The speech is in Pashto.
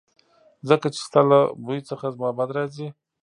ځکه چې ستا له بوی څخه زما بد راځي